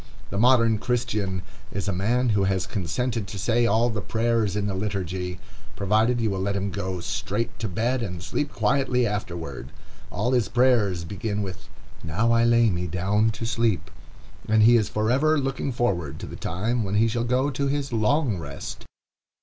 The modern Christian is a man who has consented to say all the prayers in the liturgy, provided you will let him go straight to bed and sleep quietly afterward. All his prayers begin with "Now I lay me down to sleep," and he is forever looking forward to the time when he shall go to his "long rest."